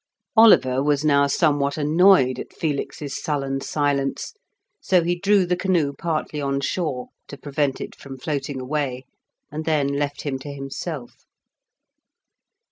Oliver was now somewhat annoyed at Felix's sullen silence, so he drew the canoe partly on shore, to prevent it from floating away, and then left him to himself.